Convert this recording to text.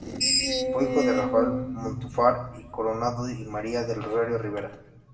Fue hijo de Rafael Montúfar y Coronado y María del Rosario Rivera.